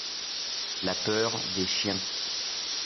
La peur des chiens.